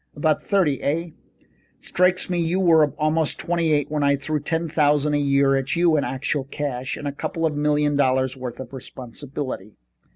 "About thirty, eh? Strikes me you were about twenty eight when I threw ten thousand a year at you in actual cash, and a couple of million dollars' worth of responsibility."